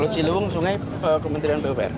ciliwung sungai kementerian pupr